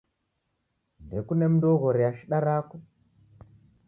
Ndekuna mundu oghorea shida rako?